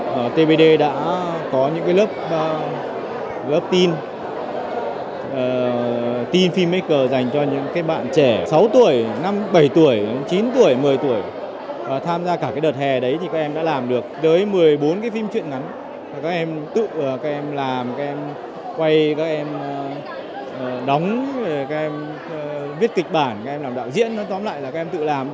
một mươi bốn phim truyền ngắn các em tự làm các em quay các em đóng các em viết kịch bản các em làm đạo diễn tóm lại là các em tự làm